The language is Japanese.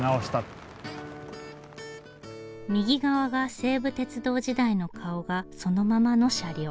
右側が西武鉄道時代の顔がそのままの車両。